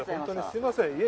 当にすみません